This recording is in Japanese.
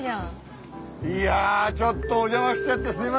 いやあちょっとお邪魔しちゃってすいません。